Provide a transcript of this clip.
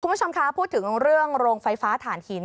คุณผู้ชมคะพูดถึงเรื่องโรงไฟฟ้าฐานหิน